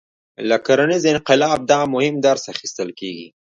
له کرنیز انقلاب دا مهم درس اخیستل کېږي.